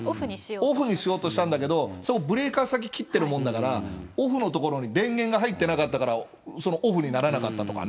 オフにしようとしたんだけど、ブレーカー先切ってるもんだから、オフのところに電源が入ってなかったからオフにならなかったとかね。